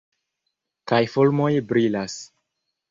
Kaj fulmoj brilas!